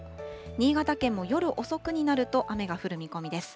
新潟県も夜遅くになると雨が降る見込みです。